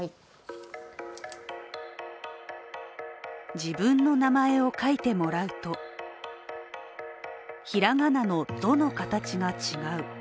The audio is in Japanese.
自分の名前を書いてもらうとひらがなの、「ぞ」の形が違う。